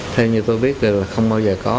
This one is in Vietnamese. theo như tôi biết là không bao giờ có